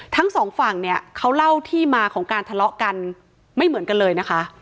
ทั้งสองฝั่งเนี่ยเขาเล่าที่มาของการทะเลาะกันไม่เหมือนกันเลยนะคะ